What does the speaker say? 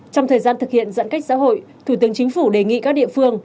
trong thời gian thực hiện giãn cách xã hội thủ tướng chính phủ đề nghị các địa phương